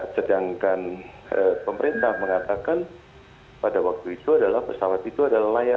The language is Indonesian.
sedangkan pemerintah mengatakan pada waktu itu adalah pesawat itu adalah layak